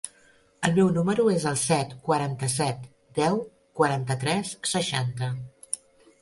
El meu número es el set, quaranta-set, deu, quaranta-tres, seixanta.